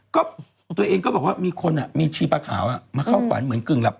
ก็ตัวเองก็บอกว่ามีคนอ่ะมีชีปลาขาวมาเข้าฝันเหมือนกึ่งหลับ